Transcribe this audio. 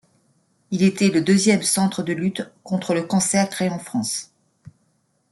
Il était le deuxième centre de lutte contre le cancer créé en France.